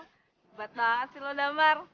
kebetul banget sih lo damar